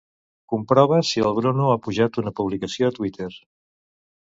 Comprova si el Bruno ha pujat una publicació a Twitter.